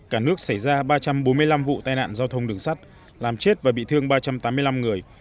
cả nước xảy ra ba trăm bốn mươi năm vụ tai nạn giao thông đường sắt làm chết và bị thương ba trăm tám mươi năm người